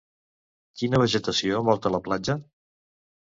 Quina vegetació envolta la platja?